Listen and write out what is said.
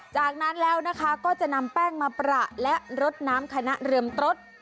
จากนั้นแล้วนะคะก็จะนำแป้งมาประและรดน้ำคณะเรือมรส